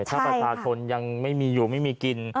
ถ้าประชาชนยังไม่มีอยู่ไม่มีกิน